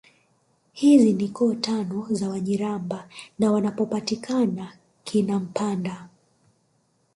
Hizi ni koo tano za Wanyiramba na wanapopatikana Kinampanda